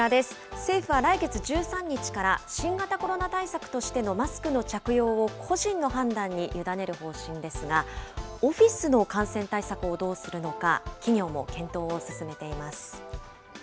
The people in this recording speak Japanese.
政府は来月１３日から、新型コロナ対策としてのマスクの着用を個人の判断に委ねる方針ですが、オフィスの感染対策をどうするのか、企業も検討を進めています。